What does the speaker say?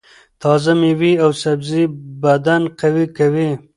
تازه مېوې او سبزۍ بدن قوي کوي.